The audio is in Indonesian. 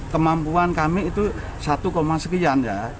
kemampuan kami itu satu sekian ya